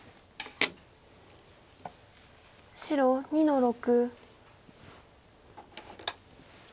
白２の六。